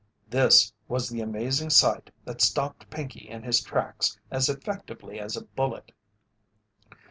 This was the amazing sight that stopped Pinkey in his tracks as effectively as a bullet.